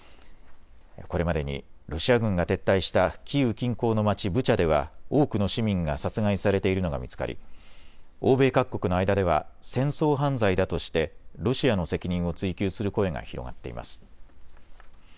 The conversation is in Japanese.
これまでにロシア軍が撤退したキーウ近郊の町、ブチャでは多くの市民が殺害されているのが見つかり欧米各国の間では戦争犯罪だとしてロシアの責任を追及する声が広がっています。